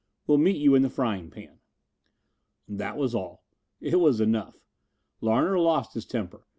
Will meet you in the Frying Pan. That was all. It was enough. Larner lost his temper.